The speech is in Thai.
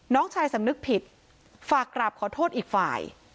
น้องชายสำนึกผิดฝากกราบขอโทษอีกฝ่าย